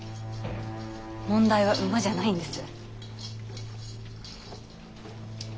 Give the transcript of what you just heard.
問題は馬じゃないんです。